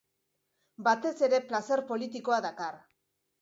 Batez ere, plazer politikoa dakar.